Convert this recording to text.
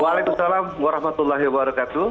waalaikumsalam warahmatullahi wabarakatuh